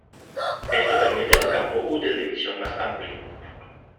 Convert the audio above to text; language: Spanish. Esto permite un campo útil de visión más amplio.